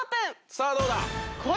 さぁどうだ？